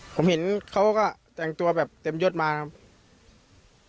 ผมเห็นเขาก็แต่งตัวแบบเต็มยดมานะครับ